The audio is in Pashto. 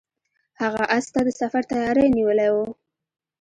هغه اس ته د سفر تیاری نیولی و.